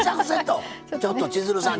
ちょっと千鶴さん